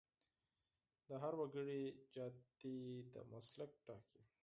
د هر وګړي جاتي د مسلک ټاکي.